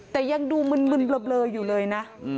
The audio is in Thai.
แต่ยังดูมึนเบลออยู่เลยนะ